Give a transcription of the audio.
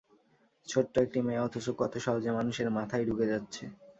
ছোট্ট একটি মেয়ে, অথচ কত সহজে মানুষের মাথায় ঢুকে যাচ্ছে।